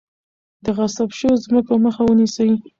د غصب شوو ځمکو مخه ونیسئ.